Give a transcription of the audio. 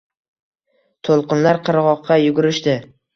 To`lqinlar qirg`oqqa yugurishdi